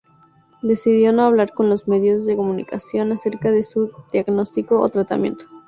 Decidió no hablar con los medios de comunicación acerca de su diagnóstico o tratamiento.